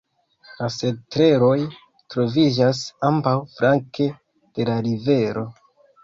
La setlejoj troviĝas ambaŭflanke de la rivero.